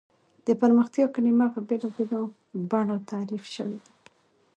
د پرمختیا کلیمه په بېلا بېلو بڼو تعریف شوې ده.